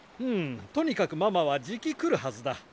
んとにかくママはじき来るはずだ。